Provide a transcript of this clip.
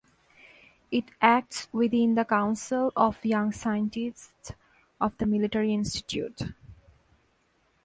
It acts within the Council of Young Scientists of the Military Institute.